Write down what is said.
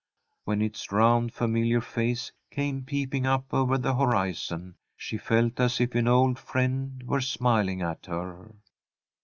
When its round, familiar face came peeping up over the horizon, she felt as if an old friend were smiling at her.